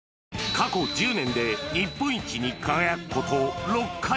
過去１０年で日本一に輝くこと６回。